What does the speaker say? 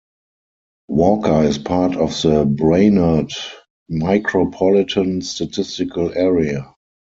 Walker is part of the Brainerd Micropolitan Statistical Area.